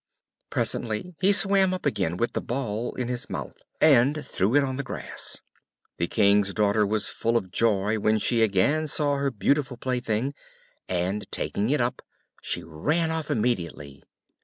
Presently he swam up again with the ball in his mouth, and threw it on the grass. The King's daughter was full of joy when she again saw her beautiful plaything; and, taking it up, she ran off immediately.